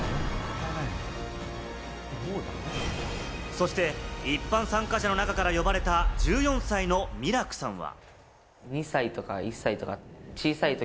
そして一般参加者の中から呼ばれた１４歳のミラクさんは。